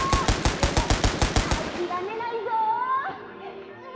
でもあきらめないぞ！